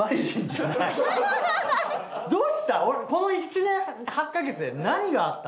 どうした？